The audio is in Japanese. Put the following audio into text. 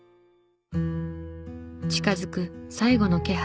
近づく最期の気配。